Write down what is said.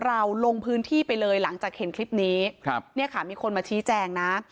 ลงพื้นที่ไปเลยหลังจากเห็นคลิปนี้ครับเนี่ยค่ะมีคนมาชี้แจงนะ